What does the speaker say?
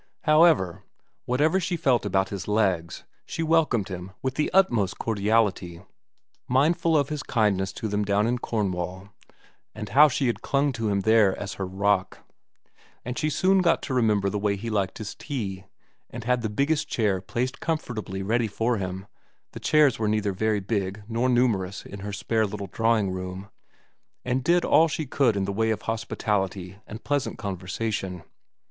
However, whatever she felt about his legs she wel comed him with the utmost cordiality, mindful of his kindness to them down in Cornwall and of how she had clung to him there as her rock ; and she soon got to remember the way he liked his tea, and had the biggest chair placed comfortably ready for him the chairs were neither very big nor numerous in her spare little drawing room and did all she could in the way of hospitality and pleasant conversation.